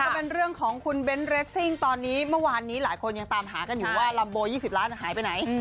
ก็เป็นเรื่องของคุณเบ้นเรสซิ่งตอนนี้เมื่อวานนี้หลายคนยังตามหากันอยู่ว่าลัมโบ๒๐ล้านหายไปไหน